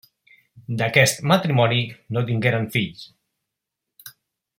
D'aquest matrimoni no tingueren fills.